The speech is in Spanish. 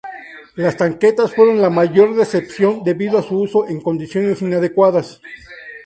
Las tanquetas fueron la mayor decepción debido a su uso en condiciones inadecuadas.